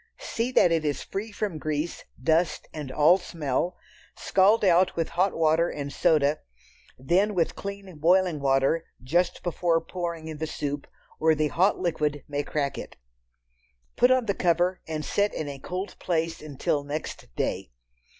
See that it is free from grease, dust and all smell, scald out with hot water and soda, then with clean boiling water just before pouring in the soup, or the hot liquid may crack it. Put on the cover and set in a cold place until next day.